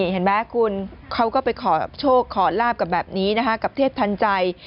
เห็นม๊ะคุณเขาก็ไปขอโชคเขาลาดลาบกับเทพทันใจ